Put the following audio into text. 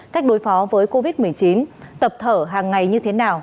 cách đối phó với covid một mươi chín tập thở hàng ngày như thế nào